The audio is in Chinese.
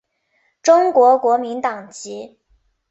中国国民党籍。